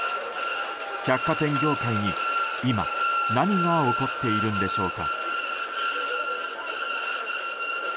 百貨店業界に今、何が起こっているんでしょうか。